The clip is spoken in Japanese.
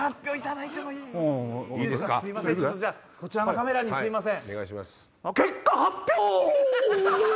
こちらのカメラにすいません。